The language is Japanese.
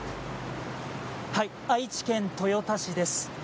愛知県豊田市です。